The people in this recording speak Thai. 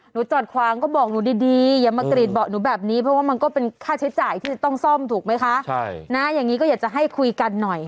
หนูจอดความก็บอกหนูดีอย่ามากรีดบอกหนูแบบนี้เพราะว่ามันก็เป็นค่าใช้จ่ายที่ต้องซ่อมถูกไหมคะ